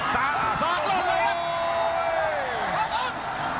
สาหร่าสองโอ้โหโอ้โหนับเลยครับ